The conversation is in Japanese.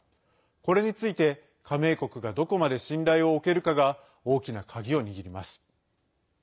これについて、加盟国がどこまで信頼を置けるかが大きな鍵を握ります。